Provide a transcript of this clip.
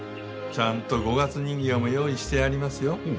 ちゃんと五月人形も用意してありますよ。